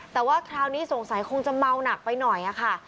แต่ว่าคราวนี้สงสัยคงจะเมาหนักไปหน่อยค่ะ